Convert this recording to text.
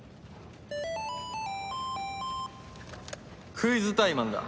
クイズタイマンだ。